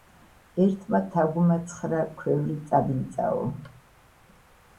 ერთმა თაგვმა ცხრა ქვევრი წაბილწაო